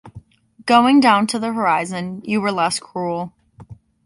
Going down to the horizon, you were less cruel.